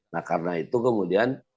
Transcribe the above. nah karena itu kemudian